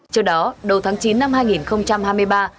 trước đó đầu tháng chín năm hai nghìn hai mươi ba hai người này cũng bị bệnh